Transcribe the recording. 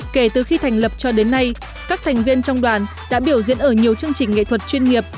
kể từ khi thành lập cho đến nay các thành viên trong đoàn đã biểu diễn ở nhiều chương trình nghệ thuật chuyên nghiệp